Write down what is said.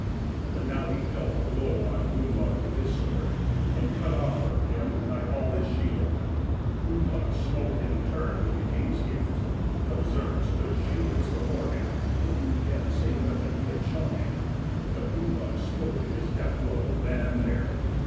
But now he dealt a blow on Gunnlaug with his sword, and cut off from him nigh all his shield; Gunnlaug smote in turn with the king's gift; the bearserk stood shieldless before him, thinking he had the same weapon he had shown him, but Gunnlaug smote him his deathblow then and there.